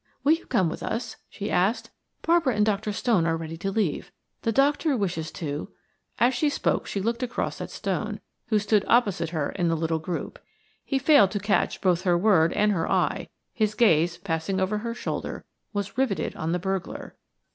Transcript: "Will you come with us?" she asked. "Barbara and Dr. Stone are ready to leave. The doctor wishes to " As she spoke she looked across at Stone, who stood opposite her in the little group. He failed to catch both her word and her eye, his gaze, passing over her shoulder, was riveted on the burglar.